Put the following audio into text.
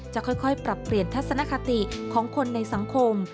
จะค่อยปรับเปลี่ยนทัศนคติของคนในสังคม